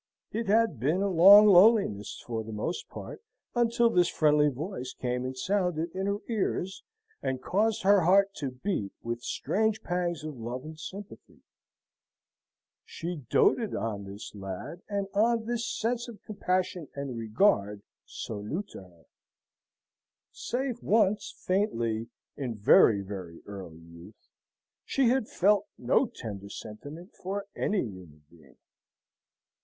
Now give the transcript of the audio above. It had been a long loneliness, for the most part, until this friendly voice came and sounded in her ears and caused her heart to beat with strange pangs of love and sympathy. She doted on this lad, and on this sense of compassion and regard so new to her. Save once, faintly, in very very early youth, she had felt no tender sentiment for any human being.